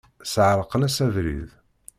Sεerqen-as abrid.